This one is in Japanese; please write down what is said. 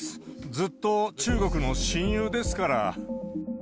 ずっと中国の親友ですから。